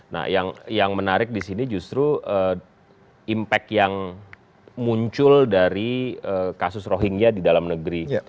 nah yang menarik di sini justru impact yang muncul dari kasus rohingya di dalam negeri